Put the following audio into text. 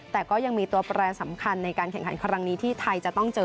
แต่ก็ยังมีตัวแปรสำคัญในการแข่งขันครั้งนี้ที่ไทยจะต้องเจอ